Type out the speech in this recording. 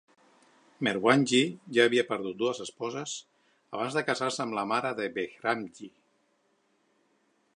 Merwanji ja havia perdut dues esposes abans de casar-se amb la mare de Behramji.